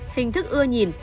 hình thức ưa nhìn